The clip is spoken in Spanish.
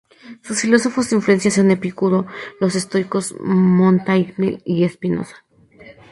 Sus filósofos de influencia son Epicuro, los estoicos, Montaigne y Spinoza.